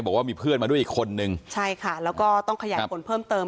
บอกว่ามีเพื่อนมาด้วยอีกคนนึงใช่ค่ะแล้วก็ต้องขยายผลเพิ่มเติม